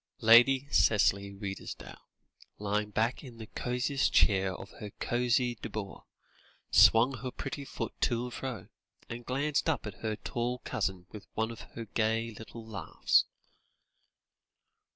Lady Cicely Redesdale, lying back in the cosiest chair of her cosy boudoir, swung her pretty foot to and fro, and glanced up at her tall cousin with one of her gay little laughs.